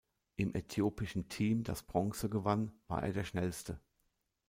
Im äthiopischen Team, das Bronze gewann, war er der schnellste.